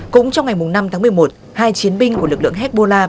cũng trong ngày năm tháng một mươi một hai chiến binh của lực lượng hezbollah